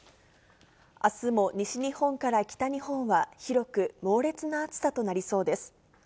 あすも西日本から北日本は広く猛烈な暑さとなりそうです。